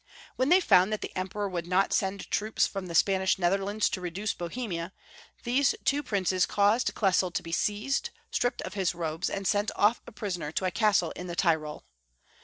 When they found that the Emperor would not send troops from the Spanish Netherlands to reduce Bohemia, these two princes caused IQesel to be seized, stripped of his robes, and sent off a prisoner to a castle in the Tyrol.